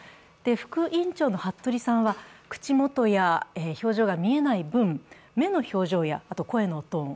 副院長の服部さんは口元や表情が見えない分、目の表情や声のトーン